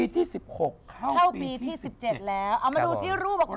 ที่๑๖เข้าปีที่๑๗แล้วเอามาดูซิรูปออกมา